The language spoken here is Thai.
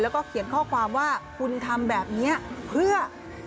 แล้วก็เขียนข้อความว่าคุณทำแบบนี้เพื่อ